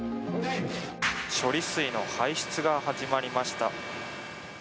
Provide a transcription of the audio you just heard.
処理水の排出が始まりました。